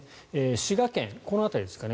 滋賀県、この辺りですかね